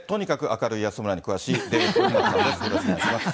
よろしくお願いします。